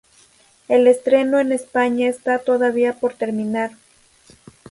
El estreno en España esta todavía por determinar.